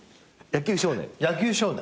野球少年？